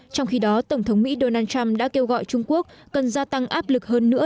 trong khi đó tổng thống mỹ donald trump đã kêu gọi trung quốc cần gia tăng áp lực hơn nữa